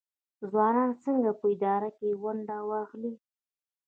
ځوانان څنګه په اداره کې ونډه اخلي؟